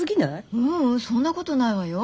ううんそんなことないわよ。